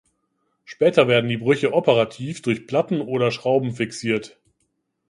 Später werden die Brüche operativ durch Platten oder Schrauben fixiert.